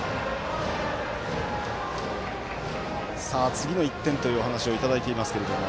次の一点というお話をいただいていますけれども。